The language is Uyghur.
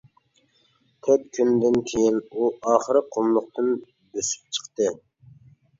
تۆت كۈندىن كېيىن ئۇ ئاخىر قۇملۇقتىن بۆسۈپ چىقتى.